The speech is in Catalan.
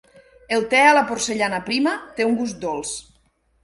El te a la porcellana prima té un gust dolç.